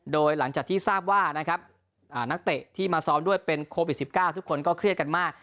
โดยหลังจากที่ทราบว่านะครับนักเตะที่มาซ้อมด้วยเป็นโควิด๑๙ทุกคนก็เครียดกันมาก